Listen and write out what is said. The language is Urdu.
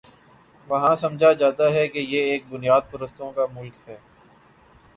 وہاں سمجھا جاتا ہے کہ یہ ایک بنیاد پرستوں کا ملک ہے۔